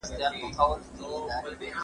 دا پوهنيزه څانګه د منظمو قواعدو پېژندنه کوي.